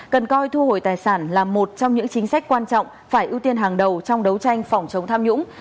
cần coi thu hồi tài sản là một trong những chính sách quan trọng phải ưu tiên hàng đầu trong đấu tranh phòng chống tham nhũng